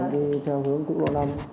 đi theo hướng cụ lộ năm